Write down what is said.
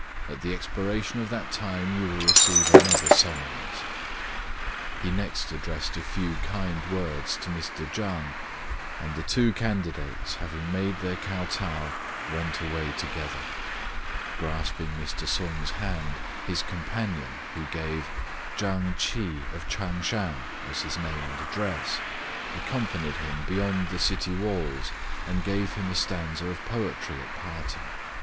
At the expiration of that time you will receive another summons." He next addressed a fe\v kind words to Mr Chang; and the two candidates, having made their kotow, went away together. Grasping Mr. Sung's hand, his companion, who gave " Chang Ch'i of Ch'ang shan" as his name and address, accompanied him beyond the city walls and gave him a stanza of poetry at parting.